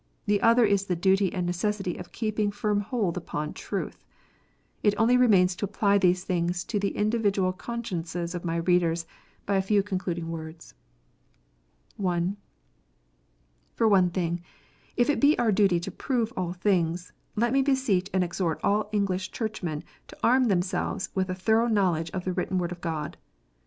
The other is the duty and necessity of keeping firm hold upon truth. It only remains to apply these things to the individual consciences of my readers, by a few concluding words. (1) For one thing, if it be our duty to "prove all things," let me beseech and exhort all English Churchmen to arm them selves with a thorough knowledge of the written Word of God.